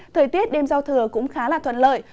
thời tiết đêm giao thừa cũng khá là thuận lợi